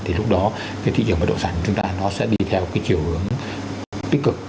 thì lúc đó cái thị trường bất động sản của chúng ta nó sẽ đi theo cái chiều hướng tích cực